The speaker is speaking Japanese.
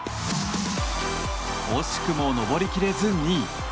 惜しくも登り切れず２位。